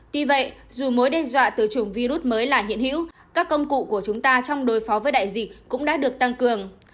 tuy vậy dù mối đe dọa từ chủng virus mới là hiện hữu các công cụ của chúng ta trong đối phó với đại dịch cũng đã được tăng cường